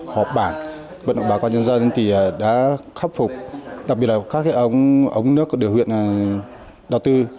họp bản vận động bà con nhân dân thì đã khắc phục đặc biệt là các cái ống nước của địa huyện đầu tư